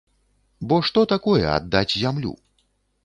Бо што такое аддаць зямлю?